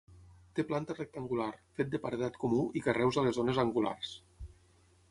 Té planta rectangular, fet de paredat comú i carreus a les zones angulars.